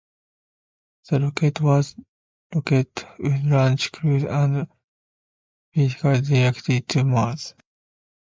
The rocket would launch crews and vehicles directly to Mars.